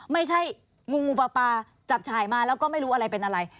ไม่ใช่งูปลาจับฉายมาแล้วก็ไม่รู้อะไรเป็นอะไร